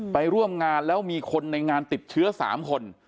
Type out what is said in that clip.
ไปร่วมงานแล้วมีคนในงานติดเชื้อ๓คน